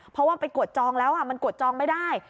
เพราะว่าไปกดจองแล้วมันกดจองไม่ได้